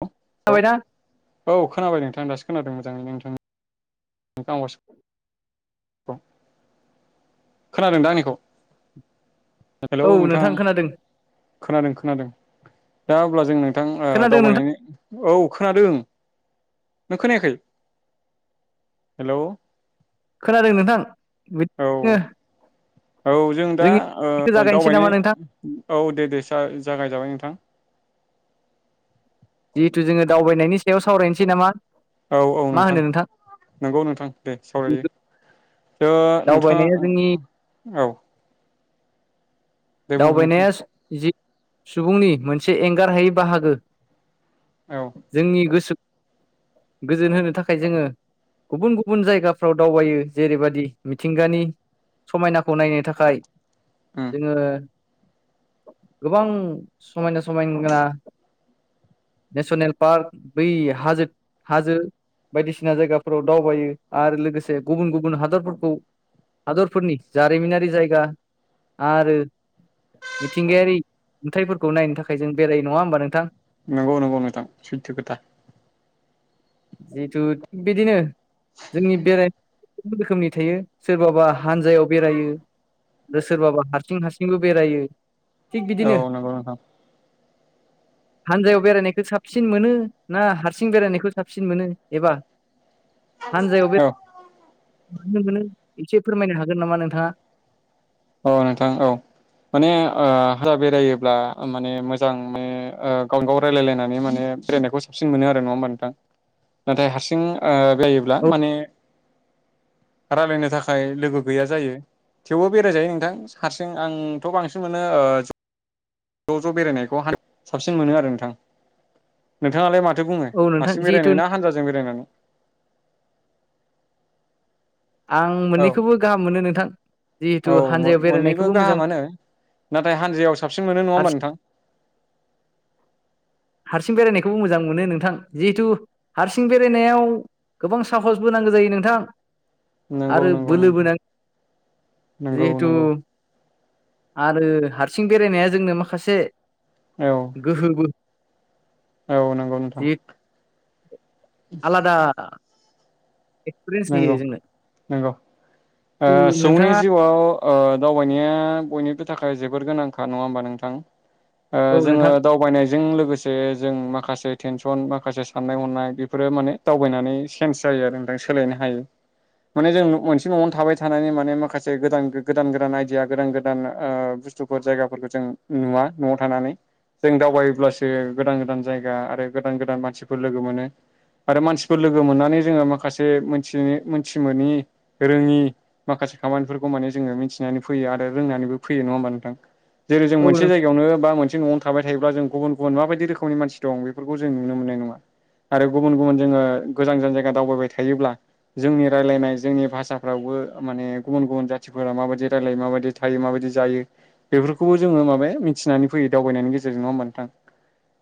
औ [unintelligible] औ खोनाबाय नोंथां दासो खोनादों मोजाङैनो नोंथां। [unintelligible] खोनादों दा आंनिखौ? हेलौ औ नोंथां खोनादों खोनादों खोनादों दा अब्ला जों नों नोंथां ओ खोनादों नोंथां दावबायनायनि औ खोनादों। नों खोनायाखै हेल'। खोनादों नोंथां बिदनो [inaudible] औ जों दा ओ जागायनोसै नामा दावबायनाय नोंथां औ दे दे जा जागायजाबाय नोंथां। जिहेथु जोङो दावबायनायनि सायाव सावरायनोसै नामा? औ औ मा नोंथां होनो नंगौ नोंथां दे सावरायो। थ' दावबायनाया जोंनि नोंथाङा औ। दे बुं नोंथां दावबायनाया जि सुबुंनि मोनसे एंगारहायै बाहागो। औ जोंनि गोसो गोजोन होनो थाखाय जोङो गुबुन गुबुन जायगाफ्राव दावबायो जेरैबायदि मिथिंगानि समायनाखौ नायनो थाखाय उम जोङो गोबां समायना समायना नेसनेल पार्क बै हाजो- हाजो बायदिसिना जायगाफोराव दावबायो आरो लोगोसे गुबुन गुबुन हादरफोरखौ हादरफोरनि जारिमिनारि जायगा आरो मिथिंगायारि नुथायफोरखौ नायनो थाखाय जों बेरायो नङा होमबा नोंथां नंगौ नंगौ नोंथां सैथो खोथा जिथु थिग बिदिनो जोंनि बेरायनाय [unintelligible] रोखोमनि थायो सोरबाबा हानजायाव बेरायो आरो सोरबाबा हारसिं हारसिंबो बेरायो थिग औ बिदिनो नंगौ नोंथां हानजायाव बेरायनायखौ साबसिन मोनो ना हारसिं बेरायनायखौ साबसिन मोनो एबा औ नों एसे फोरमायनो हागोन नामा नोंथाङा औ नोंथां औ माने हा बेरायोब्ला माने मोजां माने गाव गाव रायजलायलायनानै माने बेरायनायखौ साबसिन मोनो आरो नङा होमबा नोंथां नाथाय हारसिं जायोब्ला औ माने रायज्लायनो थाखाय लोगो गैया जायो थेवबो बेरायजायो नोंथां हारसिं आंथ' बांसिन मोनो ज' ज' बेरायनायखौ साबसिन मोनो आरो नोंथां नोंथाङालाय मा माथो बुङो औ नोंथां हारसिं जिहेथु बेरायनाय ना हानजाजों बेरायनानै आं औ मोननैखौबो गाहाम मोनो नोंथां औ जिहेथु हानजायाव मोननैबो बेरायनायखौबो मोजां गाहामानो नाथाय हानजायाव साबसिन मोनो नङा होमबा हारसिं नोंथां हारसिं बेरायनायखौबो मोजां मोनो नोंथां जिहेथु हारसिं बेरायनायाव गोबां साहसबो नांगौ जायो नोंथां नंगौ आरो नंगौ बोलोबो नोंथां नाङो नंगौ जिहेथु नंगौ आरो हारसिं बेरायनाया जोंनो माखासे औ गोहोबो औ नंगौ नोंथां जि आलादा एक्सपिरियेन्स होयो नंगौ जोंनो नंगौ सुबुंनि नोंथाङा जिउआव दावबायनाया बयनिबो थाखाय जोबोर गोनांखा नङा होमबा नोंथां औ जोङो नोंथां दावबायनायजों लोगोसे जों माखासे टेनसन माखासे साननाय हनाय बेफोरो माने दावबायनानै चेन्ज जायो आरो नोंथां सोलायनो हायो माने जों मोनसे न'आवनो थाबाय थानानै माने माखासे गोदान गोदान गोदान आइदिया गोदान गोदान बुस्थुफोर जायगाफोरखौ जों नुवा न'आव थानानै जों दावबायोब्लासो गोदान गोदान जायगा आरो गोदान गोदान मानसिफोर लोगो मोनो आरो मानसिफोर लोगो मोननानै जोङो माखासे थिग‌ मोनथिमोनि रोङि माखासे खामानिफोरखौ माने जोङो मिथिनानै फैयो आरो ओ रोंनानैबो फैयो नङा होमबा नोंथां जेरै जों औ मोनसे नों जायगायावनो बा मोनसे न'आवनो थाबाय थायोब्ला जों गुबुन गुबुन माबायदि रोखोमनि मानसि दं बेफोरखौ जों नुनो मोननाय नङा। आरो गुबुन गुबुन जोङो गोजान गोजान जायगा दावबायबाय थायोब्ला जोंनि रायजलायनाय जोंनि भाषाफ्रावबो माने गुबुन गुबुन जाथिफोरा माबायदि रायलायो माबायदि थायो माबायदि जायो बेफोरखौबो जोङो माने मिथिनानै फैयो दावबायनायनि गेजेरजोंनो नोंथां।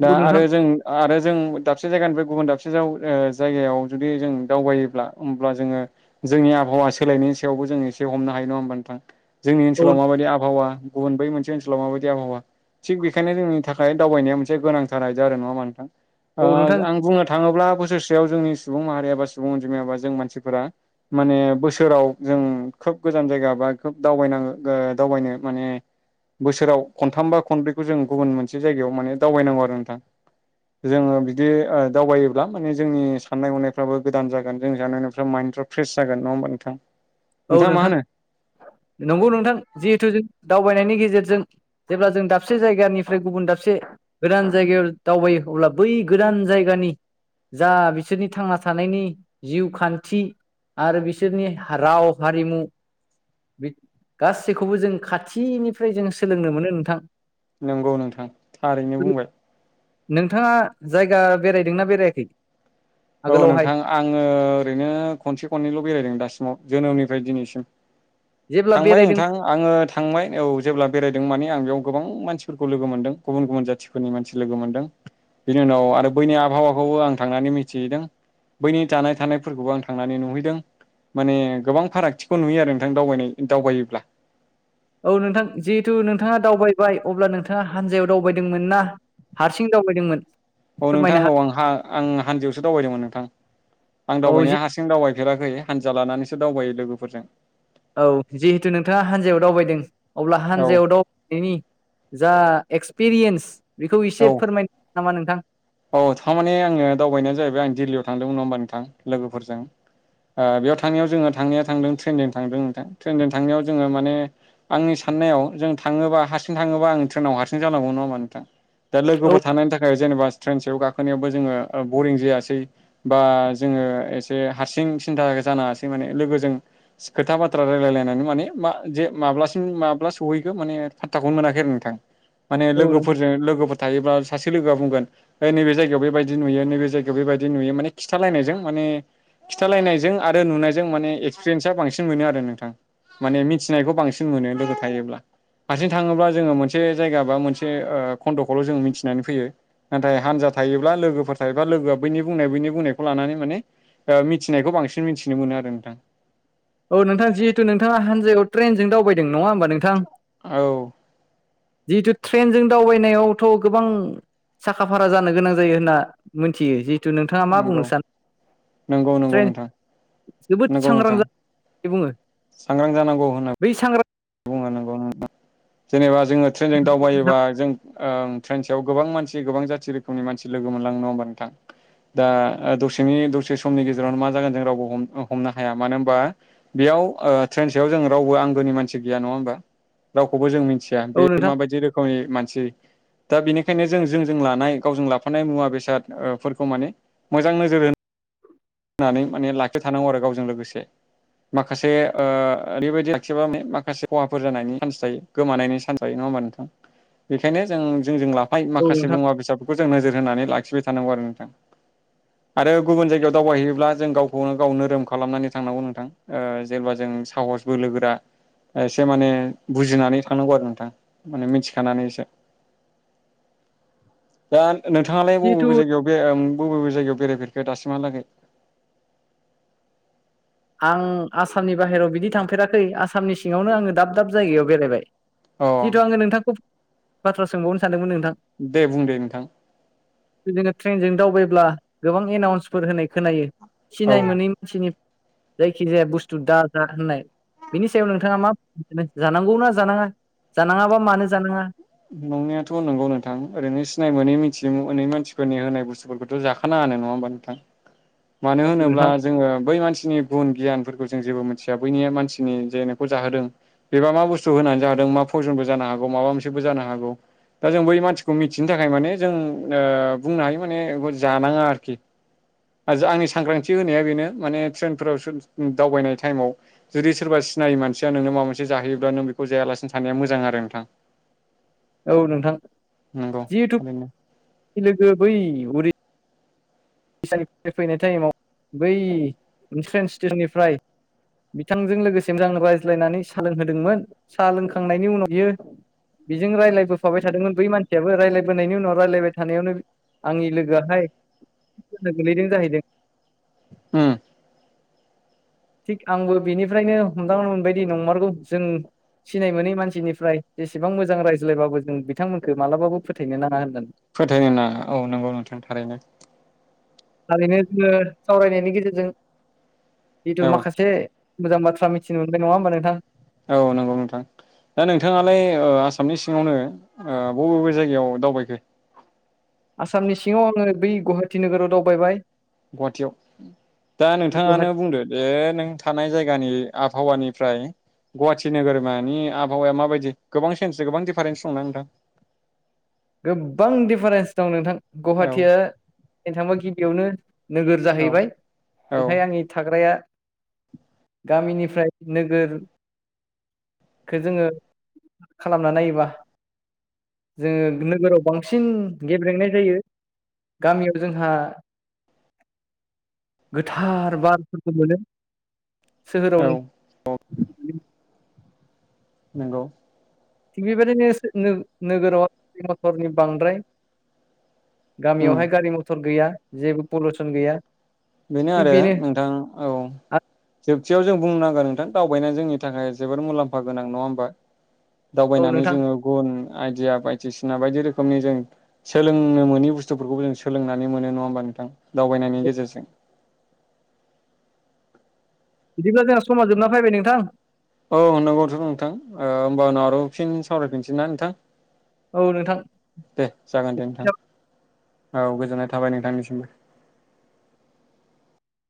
दा औ नोंथां आरो जों आरो जों दाबसे जायगानिफ्राय गुबुन दाबसे जायगायाव जुदि जों दावबायोब्ला होमब्ला जोङो जोंनि आबहावा सोलायनायनि सायावबो जों एसे हमनो हायो नङा होमबा नोंथां? जोंनि औ ओनसोलाव माबादि आबहावा गुबुन बै मोनसे ओनसोलाव माबायदि आबहावा? थिग बेखायनो जोंनि थाखाय दावबायनाया मोनसे गोनांथार आयदा आरो नङा होमब्ला नोंथां? ओ नोंथां आं बुंनो थाङोब्ला बोसोरसेयाव जोंनि सुबुं माहारिय बा सुबुं अनजिमाया बा जों मानसिफोरा माने बोसोराव जों खोब गोजान जायगा बा खोब दावबायनानै ओ दावबायनो माने बोसोराव खनथाम बा खनब्रैखौ जों गुबुन मोनसे जायगायाव माने दावबायनांगौ आरो नोंथां । जोङो बिदि ओ दावबायोब्ला माने जोंनि साननाय हनायफ्राबो गोदान जागोन जों जानायनिफ्राय माइन्दडफ्रा फ्रेस जाग नङा होमबा नोंथां? औ नोंथाङा मा नोंथां होनो नंगौ नोंथां जिहेथु जों दाउ बायनायनि गेजेरजों जेब्ला जों दाबसे जायगानिफ्राय गुबुन दाबसे गोदान जायगायाव दावबायो अब्ला बै गोदान जायगानि जा बिसोरनि थांना थानायनि जिउ खान्थि आरो बिसोरनि राव हारिमु बि गासैखौबो जों खाथिनिफ्राय जों सोलोंनो मोनो नोंथां । नंगौ नोंथां थारैनो बुंबाय नोंथाङा जायगा बेरायदोंना बेरायाखै? औ आगोलावहाय नोंथां आङो ओरैनो खनसे खननैल' बेरायदों दासिमाव जोनोमनि फ्राय दिनैसिम जेब्ला थांबाय बेरायदों नोंथां आङो थांबाय औ जेब्ला बेरायदों माने आं बेयाव गोबां मानसिफोरखौ लोगो मोनदों गुबुन गुबुन जाथिफोरनि मानसि लोगो मोनदों । बिनि उनाव आरो बैनि आबहावाखौबो आं थांनानै मि थिहैदों बैनि थानाय थानायफोरखौबो आं थांनानै नुहैदों। माने गोबां फारागथिखौ नुयो आरो नोंथां दावबायनाय दावबायोब्ला । औ नोंथां जिहेथु नोंथाङा दावबाय बाय अब्ला नोंथाङा हानजायाव दावबायदोंमोन ना हारसिं दावबायदोंमोन? औ नोंथां फोरमायनो औ आं आं हानजोआवसो दावबायदोंमोन नोंथां आं हागोन औ जि दावबायनाया हारसिं दावबाय फेराखै हानजा लानानैसो दावबायो लोगोफोरजों। औ जिहेथु नोंथाङा हानजायाव दावबायदों अब्ला औ हानजायाव दावबायनायनि जा एक्सपिरियेन्स बेखौ औ एसे फोरमायनो नामा नोंथां? औ थारमाने आङो दावबायनायानो जाहैबाय आं दिल्लीयाव थांदोंमोन नङा होमबा नोंथां लोगोफोरजों। ओ बेयाव थांनायाव जोङो थांनाया थांदों ट्रेनजों थांदों नोंथां ट्रेनजों थांनायाव जोङो माने आंनि साननायाव जों थाङोबा हारसिं थाङोबा आं ट्रेनाव हारसिं जानांगौ नङा होमबा नोंथां। दा औ लोगोफोर थानायनि थाखाय जेनेबा याव गाखोनायावबो जोङो बरिं जायासै बा जोङो एसे हारसिं सिन्था जाना आसै माने लोगोजों खोथा बाथ्रा रायलायलायनानै माने मा जे माब्लासिम माब्ला सहैखो मा ने फान्थाखौनो मोनाखै आरो नोंथां माने लोगोफोरजों लोगोफोर थायोब्ला सासे लोगोआ बुंगोन ओ नैबे जगायाव बेबायदि नुयो नैबे जायगायाव बेबायदि नुयो माने खिथालायनायजों माने खिन्थालायनायजों आरो नुनायजों माने एक्सपिरियेन्सा बांसिन मोनो आरो नोंथां । माने मिथिनायखौ बांसिन मोनो लोगो थायोब्ला। हारसिं थाङोब्ला जोङो मोनसे जायगा बा मोनसे खन्द'खौल' जों मिथिनानै फैयो । नाथाय हानजा थायोब्ला लोगोफोर थायोबा लोगोआ बैनि बुंनाय बैनि बुंनायखौ लानानै माने मिथिनायखौ बांसिन बांसिन मिथिनो मोनो आरो नोंथां। औ नोंथां जिहेथु नोंथाङा हानजायाव ट्रेनजों दावबायदों नङा होमबा नोंथां औ जिहेथु ट्रेनजों दावबायनायावथ' गोबां साखा फारा जानो गोनां जायो होनना मिथियो जि नोंथाङा मा बुंनो नंगौ सानो नंगौ नंगौ ट्रेन नोंथां जोबोद नंगौ सांग्रां नोंथां जानानै बुङो सांग्रां जानांगौ होनो बै सांग्रां जेनेबा जोङो ट्रेनजों दावबायोबा जों ट्रेन सायाव गोबां मानसि गोबां जाथि रोखोमनि मानसि लोगो मोनलांनोङ होमबा नोंथां दा दसेनि दसे समनि गेजेरावनो मा जागोन जों रावबो हमनो हाया मानो होनबा बेयाव ट्रेन सआव जों रावबो आंनिानसि गैया नङा होमबा औ नोंथां दा बेनिखायनो जों जोंजों लानाय गावजों लाफानाय मुवा बेसादफोरखौ माने मोजां नोजोर होनो होननानै माने लाखि थानांगौ आरो गावजों लोगोसे माखासे ओरैबायदि एखेबा माखासे खहाफोर जानायनि चान्स थायो गोमानायनि चान्स थायो नङा नङा होमा नोंथां बेनिखायनो जों जों ला औ माखासे नोंथां मुवा बेसादफोरखौ जों नोजोर होनानै लाखिबाय थानांगौ आरो नोंथां आरो गुब जायायाव दावबायहैयोब्ला जों गावखौनो गाव नोरोम खालामनानै थांनांगौ नोंथां जेबब्ला जों साहस बोलोोगोरा एसे माने बुजिनानै थांनांगौ आरो नोंथां माने मिथिखानानै एसे दा नोंथाङालाय जिहेथु बबेबे जायगायाव बबे बबे जायगायाव बेरायफेरखो दासिमहालागै आं आसामनि बाहेरायाव बिदि थांफेराखै आसामनि सिङावनो आङो दाब दाब जायगायाव बेरायबाय अ जिहेथु आङो नोंथांखौ बाथ्रा सोंबावनो सानदोंमोन दे बुं दे नोंथां जोङो ट्रेनजों दावबायब्ला गोबां एनाउन्सफोर होनाय खोनायो औ सिनाय मोनै मानसिनि जायखि जाया बुस्थु दा जा होननाय बिनि सायाव नोंथाङा मा जानांगौना जानाङा जानाङाबा मानो जानाङा नंनायाथ' नंगौ नोंथां ओरैनो सिनाय मोनै मिथिनो मोनै मानसिफोरनि होनाय बुस्थुफोरखौथ' जाखानाङ नङा होनबा नोंथां मानो औ होनोब्ला नोंथां जोङो बै मानसिनि गुन गियानफोरखौ जों जेबो मोन मानसिया बैनि मानसिनि जे नोंखौ जाहोदों बेबा मा बुस्थु होनानै जाहो मा पयजनबो जानो हौ मा मोनसे जानो हागौ दा जों बै मानसिखौ मिथिनो थाखाय माने जों बुंनो हायो माने जानाङा आरोखि आरो आंनि सांग्रांथि होनाया बेनो माने ट्रेनफोराव दावबायनाय टाइमाव जुदि सोरबा सिनायै मानसिया नोंनो माबा मोनसे जाहोयोब्ला नों बेखौ जायालासिनो साना मोजां आरो नोंथां औ नोंथां नंगौ जिहेथु थारैनो लोगो बै उरै सफ्राय फैनाय टाइमाव बै मोनसे ट्रेन स्टेसननिफ्राय बिथांजों लोगोसे आंनो रायज्लायनानै साहा लोंहोदोंमोन साहा लोंखांनायनि उनाव बियो बेजों रायज्लायबोफाबाय थादोंमोन बै मानसियाबो राय्लायबोनायनि उनाव रायजलायबाय थानायावनो आंनि लोगोआहाय गोलैदों जाहैदों [inaudible] थिग आंबो बेनिफ्रायनो हमदां मोनबायदि नंमारगौ जों सिनाय मोनै मानसिनिफ्राय जेसेबां मोजां रायज्लायबाबो जों बिथांमोनखौ मालाबाबो फोथायनो नाङा होननानै फोथायनो ना औ नंगौ नोंथां थारैनो ओरैनो जोङो सावरायनायनि गेजेरजों जिथु औ माखासे मोजां बाथ्रा मिथिनो मोनबाय नङा होमबा नोंथां औ नंगौ नोंथां दा नोंथाङालाय आसामनि सिङावनो बबे बबे जायगायाव दावबायखो आसामनि सिङाव आङो बै गुवाहाटि नोगोराव दावबाय गुवाहाटियाव दा नोंथाङानो गुवाहाटि बुंदो जे नों थानाय जायगानि आबहावानिफ्राय गुवाहाटि नोगोरमानि आबहावाया माबायदि गोबां सेन्स गोबां दिफारेन्स दंना नोंथां गोबां दिडफारेन्स दं नोंथां। औ गुवाहाटिया नो थांबा गिबियावनो नोगोर औ जाहैबाय औ ओंखाय आंनि थाग्राया गामिनिफ्राय नोगोर जोङो खालामना नायोबा जोङो नोगोराव बांसिन गेब्लेंनाय जायो गामियाव जोंहा गोथार बारफोरखौ मोनो सोहोराव औ औ नंगौ थिग बेबायदिनो नोगोराव गारि मथरनि बांद्राय उम गामियावहाय गारि मथर गैया जेबो पलिउसन गैया बेनो आरो नोंथां औ आ- जोबथियाव जों बुंनो नांगा नोंथां दावबायनाया जोंनि थाखाय जोबोद मुलाम्फा गोनां नङा होमबा औ दावबायनानै नोंथां जोङो गुन आइदिया बायदिसिना बायदि रोखोम रोखोमनि जों सोलोंनो मोनि बुस्थुफोरखौबो जों सोलोंनानै मोनो नङा होमबा नोंथां दावबायनायनि गेजेरजों बिदिब्ला जोंना समा जोबना फैबाय नोंथां औ होननांगौथ' नोंथां होमब उनाव आरो फिन सावरायफिनसै ना नोंथां औ नोंथां दे जागोन दे नोंथां औ गोजोननाय थाबाय नोंथांनिसिमबो।